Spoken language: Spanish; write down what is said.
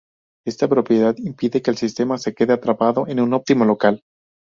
Esta propiedad impide que el sistema se quede atrapado en un óptimo local.